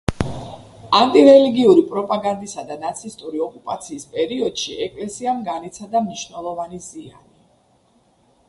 ანტირელიგიური პროპაგანდისა და ნაცისტური ოკუპაციის პერიოდში ეკლესიამ განიცადა მნიშვნელოვანი ზიანი.